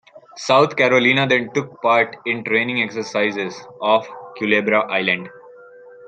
"South Carolina" then took part in training exercises off Culebra Island.